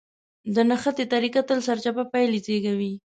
د نښتې طريقه تل سرچپه پايله زېږوي.